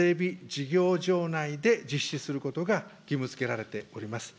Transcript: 事業場内で実施することが義務づけられております。